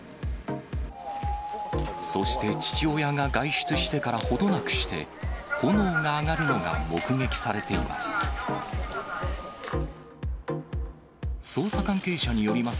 そして父親が外出してから程なくして、炎が上がるのが目撃されています。